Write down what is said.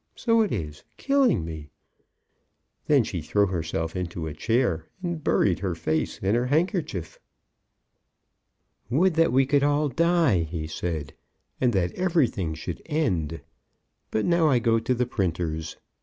So it is, killing me." Then she threw herself into a chair and buried her face in her handkerchief. "Would that we could all die," he said, "and that everything should end. But now I go to the printer's.